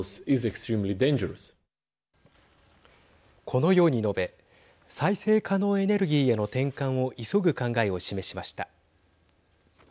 このように述べ再生可能エネルギーへの転換を急ぐ考えを示しました。